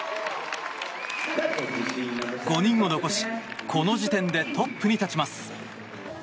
５人を残しこの時点でトップに立ちます。